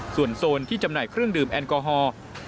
ส่วนโซนที่จำหน่ายเครื่องดื่มแอลกอฮอล์